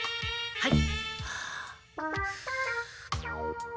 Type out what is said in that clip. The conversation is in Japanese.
はい？